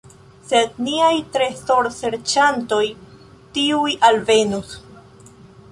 Sed niaj trezorserĉantoj tuj alvenos.